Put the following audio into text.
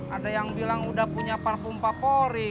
ada yang bilang udah punya parfum papori